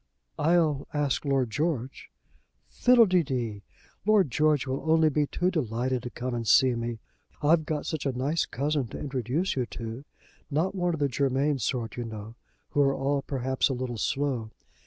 "I'll ask Lord George." "Fiddle de dee. Lord George will be only too delighted to come and see me. I've got such a nice cousin to introduce to you; not one of the Germain sort, you know, who are all perhaps a little slow.